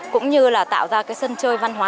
cũng như là tạo ra cái sân chơi văn hóa